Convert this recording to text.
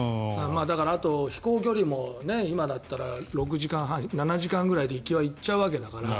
だから、あと飛行距離も今だったら６時間半、７時間ぐらいで行きは行っちゃうわけだから。